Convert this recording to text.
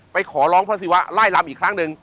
ไปขอล้องพระศิวะไล่รัมน์อีกครั้งนึง